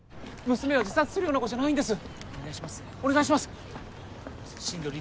娘は自殺するような子じゃないんです。